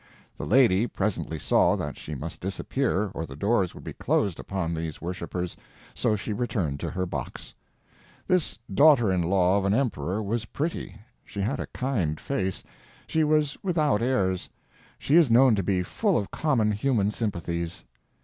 The lady presently saw that she must disappear or the doors would be closed upon these worshipers, so she returned to her box. This daughter in law of an emperor was pretty; she had a kind face; she was without airs; she is known to be full of common human sympathies.